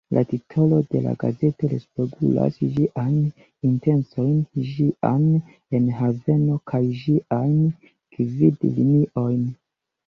La titolo de la gazeto respegulas ĝiajn intencojn, ĝian enhavon kaj ĝiajn gvid-liniojn.